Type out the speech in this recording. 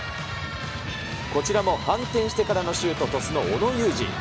こちらも反転してからのシュート、鳥栖の小野裕二。